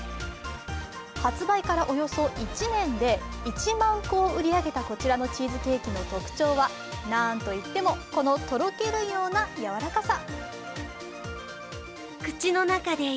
発売からおよそ１年で１万個を売り上げたこちらのチーズケーキの特徴はなんと言っても、このとろけるような柔らかさ。